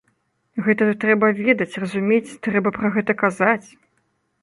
Гэта трэба ведаць, разумець, трэба пра гэта казаць.